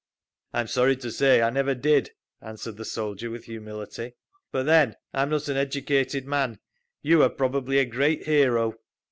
"I'm sorry to say I never did," answered the soldier with humility. "But then, I am not an educated man. You are probably a great hero."